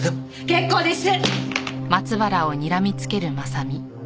結構です！